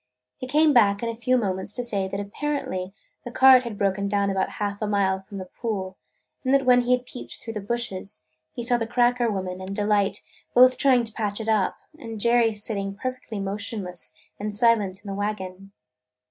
He came back in a few moments to say that apparently the cart had broken down about half a mile from the pool and that when he had peeped through the bushes he saw the "cracker" woman and Delight both trying to patch it up and Jerry sitting perfectly motionless and silent in the wagon.